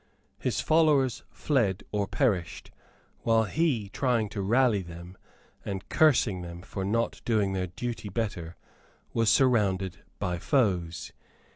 His followers fled or perished; he, while trying to rally them, and cursing them for not doing their duty better, was surrounded by foes.